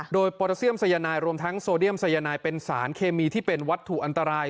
โดยโปรตาเซียมสัยนายรวมทั้งโซเดียมสายนายเป็นสารเคมีที่เป็นวัตถุอันตราย